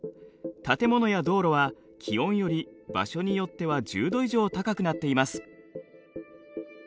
建物や道路は気温より場所によっては１０度以上高くなっています。